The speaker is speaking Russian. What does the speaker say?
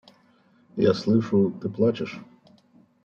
Я слышу… Ты плачешь.